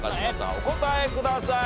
お答えください。